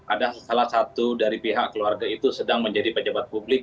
ada salah satu dari pihak keluarga itu sedang menjadi pejabat publik